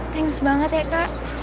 thanks banget ya kak